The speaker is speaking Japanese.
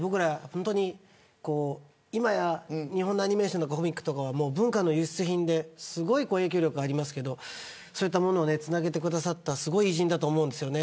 今や日本のアニメーションのコミックとかも文化の輸出品ですごい影響力がありますけどそういったものをつなげてくださったすごい偉人だと思うんですよね。